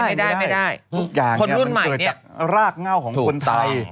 มันเปิดจากรากเหงาของคนไทย